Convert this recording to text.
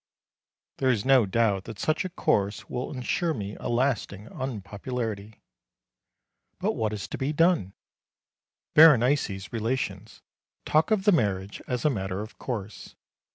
There is no doubt that such a course will ensure me a lasting unpopularity. But what is to be done? Berenice's relations talk of the marriage as a matter of course.